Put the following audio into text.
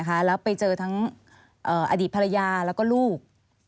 แล้วไปเจอทั้งอดีตภรรยาแล้วก็ลูก